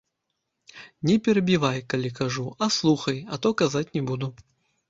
Не перабівай, калі кажу, а слухай, а то казаць не буду!